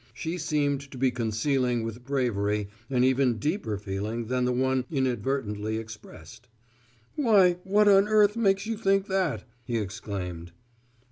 She seemed to be concealing with bravery an even deeper feeling than the one inadvertently expressed. "Why, what on earth makes you think that?" he exclaimed.